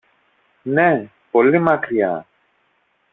Ναι, πολύ μακριά!